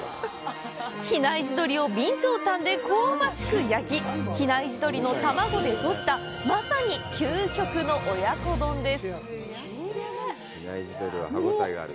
比内地鶏を備長炭で香ばしく焼き、比内地鶏の卵でとじたまさに究極の親子丼です！